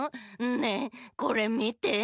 ねえこれみて。